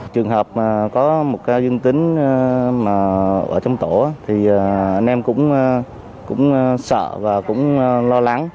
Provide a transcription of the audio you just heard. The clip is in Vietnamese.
trường hợp có một ca dương tính ở trong tổ thì anh em cũng sợ và lo lắng